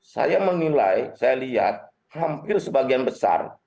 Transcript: saya menilai saya lihat hampir sebagian besar